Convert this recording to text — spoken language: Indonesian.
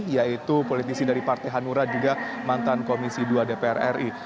yaitu politisi dari partai hanura juga mantan komisi dua dpr ri